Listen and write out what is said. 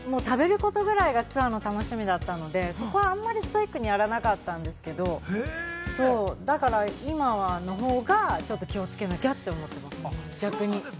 食べることくらいがツアーの楽しみだったので、そこはあんまりストイックにやらなかったんですけど、だから今のほうがちょっと気をつけなきゃって思ってます、逆に。